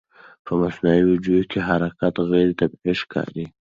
په مصنوعي ویډیو کې حرکت غیر طبیعي ښکاري.